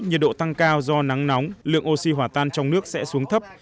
nhiệt độ tăng cao do nắng nóng lượng oxy hỏa tan trong nước sẽ xuống thấp